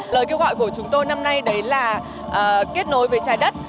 lời kêu gọi của chúng tôi năm nay đấy là kết nối với trái đất